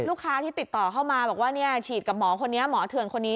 ลูกค้าที่ติดต่อเข้ามาบอกว่าฉีดกับหมอคนนี้หมอเถื่อนคนนี้